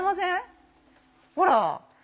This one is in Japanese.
ほら。